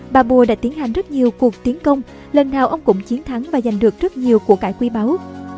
babur đã tiến hành rất nhiều cuộc tiến công lần nào ông cũng chiến thắng và giành được rất nhiều của cải quy báo